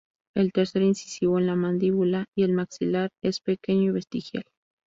El tercer incisivo en la mandíbula y el maxilar es pequeño y vestigial.